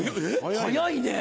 早いね！